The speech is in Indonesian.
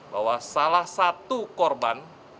bahwa salah satu korban